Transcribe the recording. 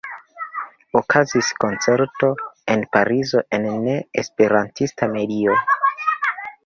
Okazis koncerto en Parizo en ne-esperantista medio.